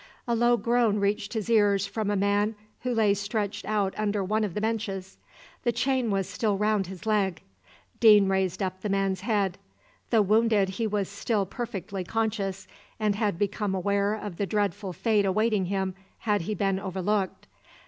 A low groan reached his ears from a man who lay stretched out under one of the benches. The chain was still round his leg. Deane raised up the man's head. Though wounded, he was still perfectly conscious, and had become aware of the dreadful fate awaiting him had he been overlooked.